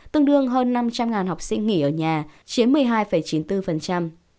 tương đương hơn năm trăm linh học sinh nghỉ ở nhà chiếm một mươi hai chín mươi bốn